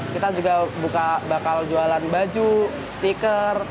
kita juga bakal jualan baju stiker